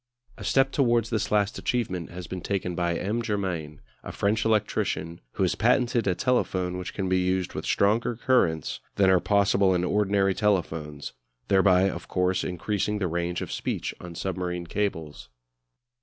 A step towards this last achievement has been taken by M. Germain, a French electrician, who has patented a telephone which can be used with stronger currents than are possible in ordinary telephones; thereby, of course, increasing the range of speech on submarine cables.